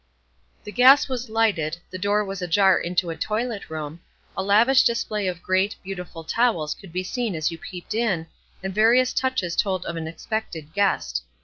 The gas was lighted; the door was ajar into a toilet room; a lavish display of great, beautiful towels could be seen as you peeped in, and various touches told of an expected guest.